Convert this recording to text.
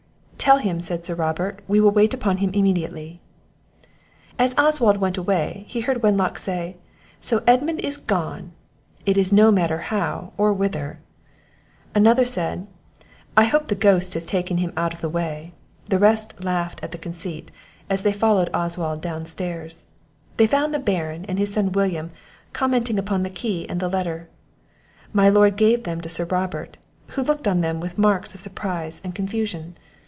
"Tell him," said Sir Robert, "we will wait upon him immediately." As Oswald went away, he heard Wenlock say, "So Edmund is gone, it is no matter how, or whither." Another said, "I hope the ghost has taken him out of the way." The rest laughed at the conceit, as they followed Oswald down stairs. They found the Baron, and his son William, commenting upon the key and the letter. My lord gave them to Sir Robert, who looked on them with marks of surprise and confusion.